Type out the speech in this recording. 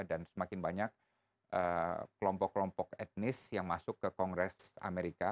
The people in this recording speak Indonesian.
dan semakin banyak kelompok kelompok etnis yang masuk ke kongres amerika